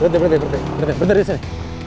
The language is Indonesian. bentar bentar bentar disini